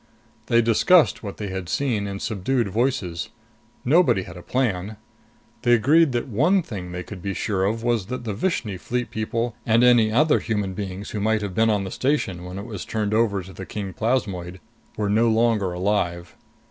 They discussed what they had seen in subdued voices. Nobody had a plan. They agreed that one thing they could be sure of was that the Vishni Fleet people and any other human beings who might have been on the station when it was turned over to the king plasmoid were no longer alive.